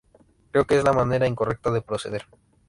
Creo que es la manera incorrecta de proceder.